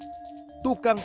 mereka untuk menangkap